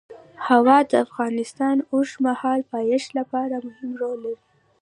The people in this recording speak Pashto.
هوا د افغانستان د اوږدمهاله پایښت لپاره مهم رول لري.